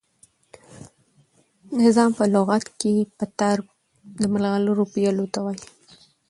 نظام په لغت کښي په تار د ملغلرو پېیلو ته وايي.